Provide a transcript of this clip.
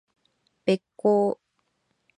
べっ甲